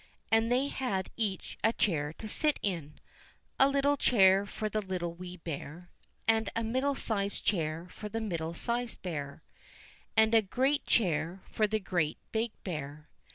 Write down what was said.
And they had each a chair to sit in ; a little chair for the Little Wee Bear ; and a middle sized chair for the Middle sized Bear ; and a great chair for the Great Big Bear.